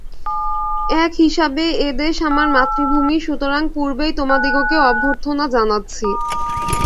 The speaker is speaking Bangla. এক হিসাবে এদেশ আমার মাতৃভূমি, সুতরাং পূর্বেই তোমাদিগকে অভ্যর্থনা জানাচ্ছি।